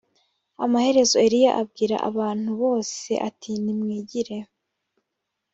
amaherezo eliya abwira abantu bose ati nimwigire